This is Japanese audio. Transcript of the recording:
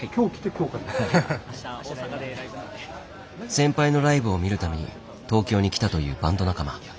先輩のライブを見るために東京に来たというバンド仲間。